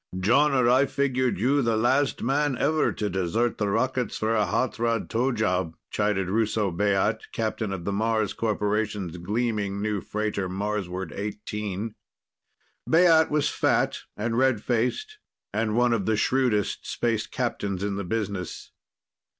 "Jonner, I figured you the last man ever to desert the rockets for a hot rod tow job," chided Russo Baat, captain of the Mars Corporation's gleaming new freighter, Marsward XVIII. Baat was fat and red faced, and one of the shrewdest space captains in the business.